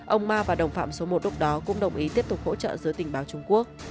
ông ma và đồng phạm số một lúc đó cũng đồng ý tiếp tục hỗ trợ giới tình báo trung quốc